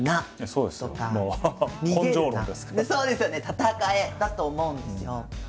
「戦え」だと思うんですよ。